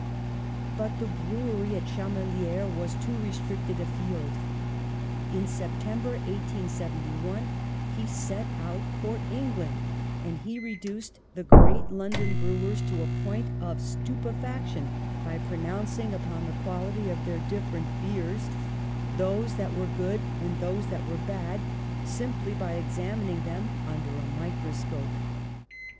But the brewery at Chamelieres was too re stricted a field. In September, 1871, he set out for England, and he reduced the great London brewers to a point of stupefaction by pro nouncing upon the quality of their different beers, those that were good and those that were bad, simply by examining them under a micro scope.